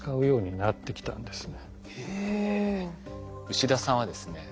牛田さんはですね